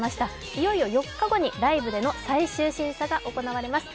いよいよ４日後にライブでの最終審査が行われます。